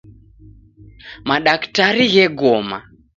Madaktari ghegoma.